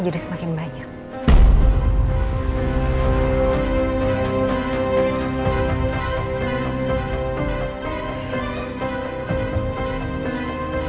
jadi semakin banyak